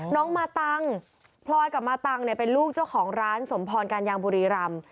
น้องมาตังพลอยกับมาตังเป็นลูกเจ้าของร้านสมพรการยางบุรีรำ